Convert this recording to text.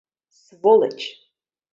Сволыч...